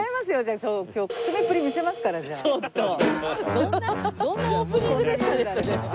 どんなどんなオープニングですかねそれは。